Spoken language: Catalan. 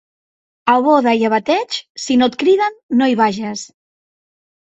A boda i a bateig, si no et criden no hi vages.